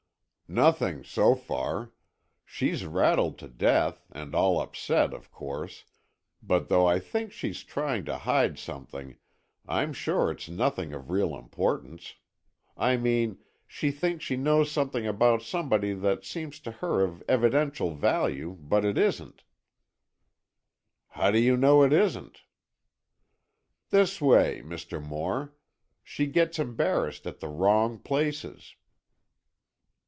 "Nothing, so far. She's rattled to death, and all upset, of course, but though I think she's trying to hide something, I'm sure it's nothing of real importance. I mean, she thinks she knows something about somebody that seems to her of evidential value, but it isn't." "How do you know it isn't?" "This way, Mr. Moore. She gets embarrassed at the wrong places."